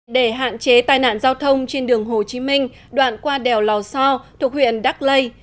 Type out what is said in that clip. để hạn chế tai nạn giao thông trên đường hồ chí minh đoạn qua đèo lò so thuộc huyện đắc lây